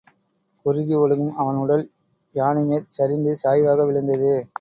குருதி ஒழுகும் அவன் உடல் யானைமேற், சரிந்து சாய்வாக விழுந்தது.